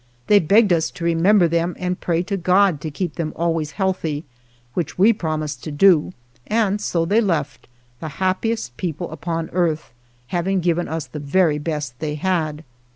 They begged us to remember them and pray to God to keep them always healthy, which we promised to do, and so they left, the hap piest people upon earth, having given us the very best they had.